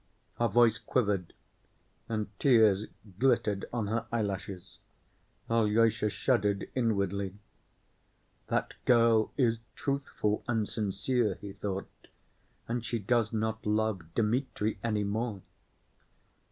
Her voice quivered, and tears glittered on her eyelashes. Alyosha shuddered inwardly. "That girl is truthful and sincere," he thought, "and she does not love Dmitri any more."